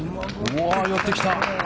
寄ってきた。